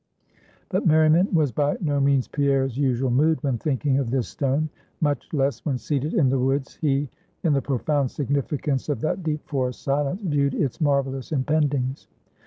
But merriment was by no means Pierre's usual mood when thinking of this stone; much less when seated in the woods, he, in the profound significance of that deep forest silence, viewed its marvelous impendings.